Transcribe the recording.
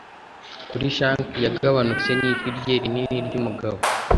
Kuri shank yagabanutse nijwi rye rinini ryumugabo